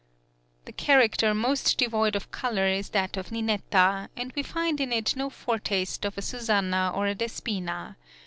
The character most devoid of colour is that of Ninetta, and we find in it no foretaste of a Susannah or a Despina.